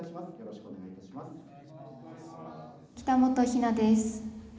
北本陽菜です。